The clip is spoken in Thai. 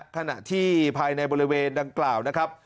ขณะที่ภายในบริเวณดังกล่าวนะครับ